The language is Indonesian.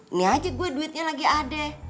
ini aja gue duitnya lagi adeh